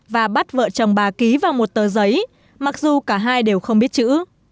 và bắt vợ chồng bà ký vào một tờ giấy mặc dù cả hai đều không biết chữ